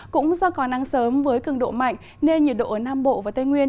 cũng do có nắng sớm với cường độ mạnh nên nhiệt độ ở nam bộ và tây nguyên